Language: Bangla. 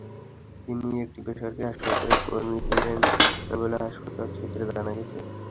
তিনি একটি বেসরকারি হাসপাতালের কর্মী ছিলেন বলে হাসপাতাল সূত্রে জানা গেছে।